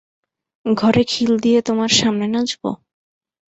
ঘরে খিল দিয়ে তোমার সামনে নাচব?